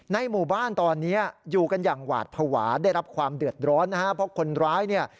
หมู่บ้านตอนนี้อยู่กันอย่างหวาดภาวะได้รับความเดือดร้อนนะฮะเพราะคนร้ายเนี่ย